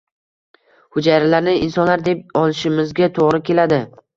hujayralarni insonlar deb olishimizga to‘g‘ri keladi.